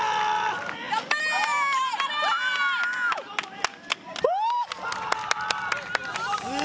頑張れー！